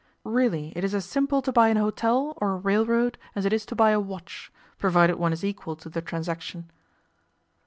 Really, it is as simple to buy an hotel or a railroad as it is to buy a watch, provided one is equal to the transaction.